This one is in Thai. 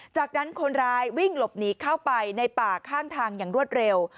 จากนั้นคนร้ายวิ่งหลบหนีเข้าไปในป่าข้างทางอย่างรวดเร็ว